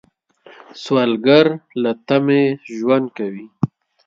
سوالګر له تمې ژوند کوي